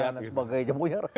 miskinan sebagai jemoyar